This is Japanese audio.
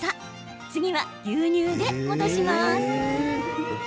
次は牛乳で戻します。